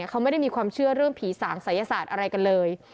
เขาไม่ได้มีความเชื่อเรื่องผีสางศัยศาสตร์อะไรกันเลย